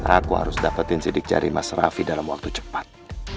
aku harus dapetin sidik jari mas raffi dalam waktu cepat